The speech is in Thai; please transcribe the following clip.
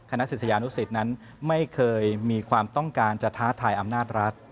ศิษยานุสิตนั้นไม่เคยมีความต้องการจะท้าทายอำนาจรัฐ